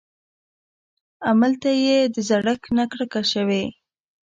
املته يې د زړښت نه کرکه شوې.